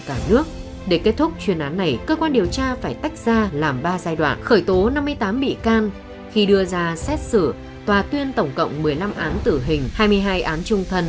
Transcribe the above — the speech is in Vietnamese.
một mươi năm án tử hình hai mươi hai án trung thần